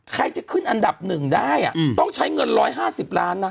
ใครจะขึ้นอันดับ๑ได้ต้องใช้เงิน๑๕๐ล้านนะ